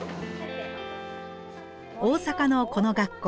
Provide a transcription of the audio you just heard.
大阪のこの学校。